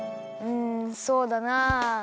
うんそうだなあ。